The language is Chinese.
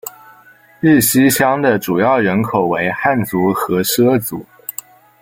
日溪乡的主要人口为汉族和畲族。